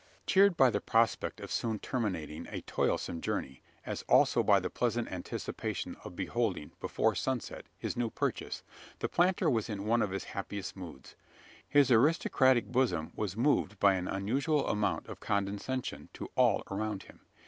Cheered by the prospect of soon terminating a toilsome journey as also by the pleasant anticipation of beholding, before sunset, his new purchase the planter was in one of his happiest moods. His aristocratic bosom was moved by an unusual amount of condescension, to all around him.